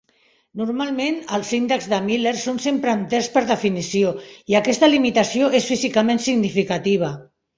Normalment, els índexs de Miller són sempre enters per definició i aquesta limitació és físicament significativa.